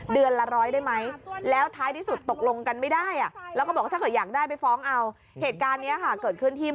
เดือนละร้อยได้ไหม